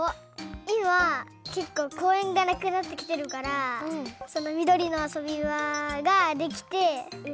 いまけっこうこうえんがなくなってきてるからそのみどりのあそびばができてうんどうしたりやきゅうしたい。